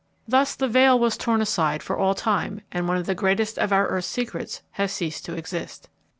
Thus the veil was torn aside for all time, and one of the greatest of our earth's secrets had ceased to exist.